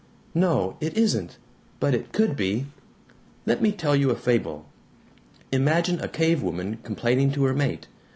"No, it isn't. But it could be. Let me tell you a fable. Imagine a cavewoman complaining to her mate.